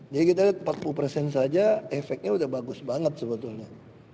jadi kita lihat empat puluh persen saja efeknya udah bagus banget sebetulnya